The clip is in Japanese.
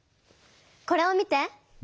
これを見て！